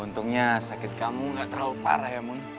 untungnya sakit kamu gak terlalu parah ya mulia